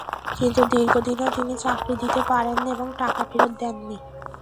কিন্তু দীর্ঘ দিনেও তিনি চাকরি দিতে পারেননি এবং টাকাও ফেরত দেননি।